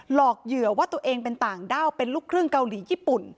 หลอกเหยื่อว่าตัวเองเป็นต่างด้าวเป็นลูกครึ่งเกาหลีญี่ปุ่น